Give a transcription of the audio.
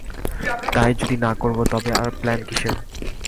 তাই যদি না করব তবে আর প্ল্যান কিসের।